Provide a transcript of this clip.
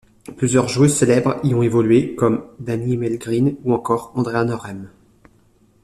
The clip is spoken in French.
Plusieurs joueuses célèbres y ont évolué, comme Dagny Mellgren ou encore, Andrea Norheim.